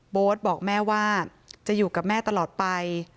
บอกแม่ว่าจะอยู่กับแม่ตลอดไป